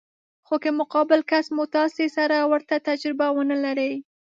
خو که مقابل کس مو تاسې سره ورته تجربه ونه لري.